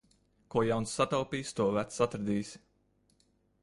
Ko jauns sataupīsi, to vecs atradīsi.